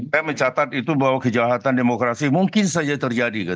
saya mencatat itu bahwa kejahatan demokrasi mungkin saja terjadi